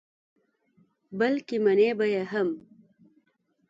بلکې منې به یې هم.